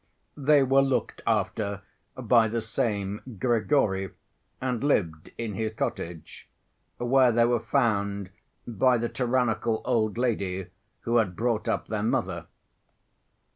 They were looked after by the same Grigory and lived in his cottage, where they were found by the tyrannical old lady who had brought up their mother.